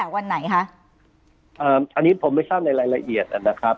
วันไหนคะอันนี้ผมไม่ทราบในรายละเอียดนะครับ